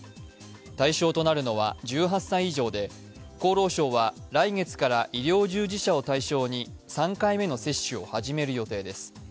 対象となるのは１８歳以上で、厚労省は来月から医療従事者を対象に３回目の接種を始める予定です。